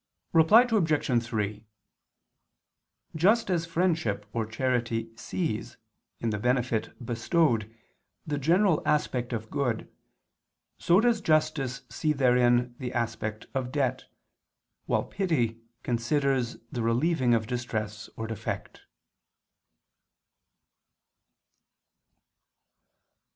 Reply Obj. 3: Just as friendship or charity sees, in the benefit bestowed, the general aspect of good, so does justice see therein the aspect of debt, while pity considers the relieving of distress or defect.